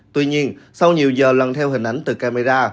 tuy nhiên sau nhiều giờ lần theo hình ảnh từ camera